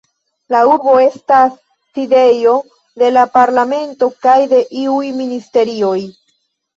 La urbo estas sidejo de la parlamento kaj de iuj ministerioj.